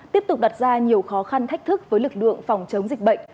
tiếp tục đặt ra nhiều khó khăn thách thức với lực lượng phòng chống dịch bệnh